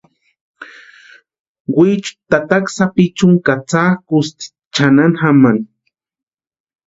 Wichu tataka sapichuni katsakʼusti chʼanani jamani.